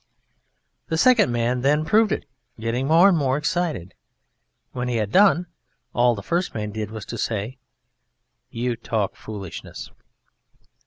The second man then proved it, getting more and more excited. When he had done, all the first man did was to say, "You talk foolishness."